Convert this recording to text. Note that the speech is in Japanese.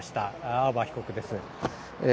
青葉被告です。